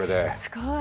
すごい。